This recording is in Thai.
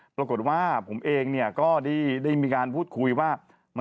ปรากฏว่าผมเองก็ได้มีการพูดคุยว่า